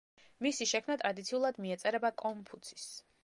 მისი შექმნა ტრადიციულად მიეწერება კონფუცის.